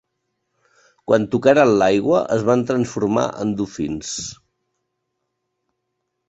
Quan tocaren l'aigua, es van transformar en dofins.